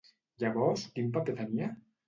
Llavors, quin paper tenia?